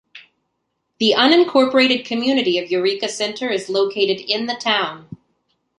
The unincorporated community of Eureka Center is located in the town.